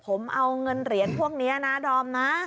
ผมเอาเงินเหรียญพวกนี้นะดอมนะ